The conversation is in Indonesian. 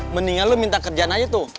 mendingan lu minta kerjaan aja tuh